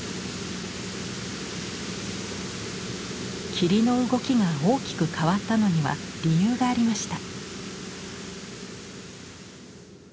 霧の動きが大きく変わったのには理由がありました。